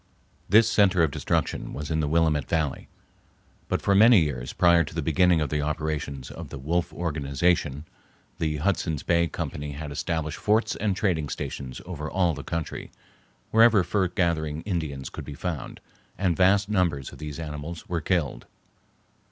This center of destruction was in the Willamette Valley. But for many years prior to the beginning of the operations of the "Wolf Organization" the Hudson's Bay Company had established forts and trading stations over all the country, wherever fur gathering Indians could be found, and vast numbers of these animals were killed.